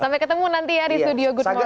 sampai ketemu nanti ya di studio good morni